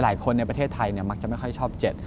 หลายคนในประเทศไทยเนี่ยมักจะไม่ค่อยชอบเลข๗